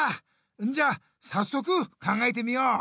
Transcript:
んじゃさっそく考えてみよう！